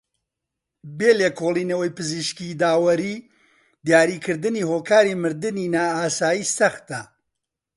بێ لێکۆڵێنەوەی پزیشکی داوەریی دیاریکردنی هۆکاری مردنی نائاسایی سەختە